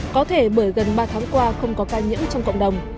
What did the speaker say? có thể bởi gần ba tháng qua không có ca nhiễm trong cộng đồng